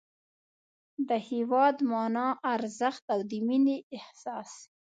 د هېواد مانا، ارزښت او د مینې احساس